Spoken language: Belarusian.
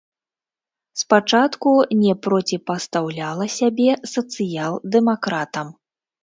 Спачатку не проціпастаўляла сябе сацыял-дэмакратам.